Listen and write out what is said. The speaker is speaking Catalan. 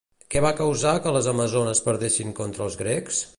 Què va causar que les amazones perdessin contra els grecs?